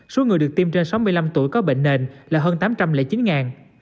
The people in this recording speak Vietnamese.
số người được tiêm trên sáu mươi năm tuổi có bệnh nền là hơn tám trăm linh chín